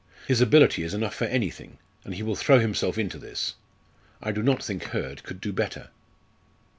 His ability is enough for anything, and he will throw himself into this. I do not think Hurd could do better."